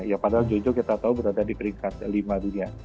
ya padahal jojo kita tahu berada di peringkat lima dunia